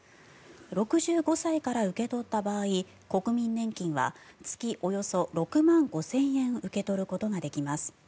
６５歳から受け取った場合国民年金は月およそ６万５０００円受け取ることができます。